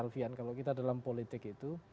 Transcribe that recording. kalau vian kalau kita dalam politik itu